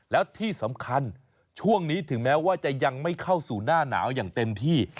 แล้วที่สำคัญช่วงนี้ถึงแม้ว่าจะยังไม่เข้าสู่หน้าหนาวอย่างเต็มที่